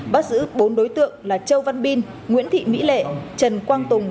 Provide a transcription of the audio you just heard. bắt giữ bốn đối tượng là châu văn bin nguyễn thị mỹ lệ trần quang tùng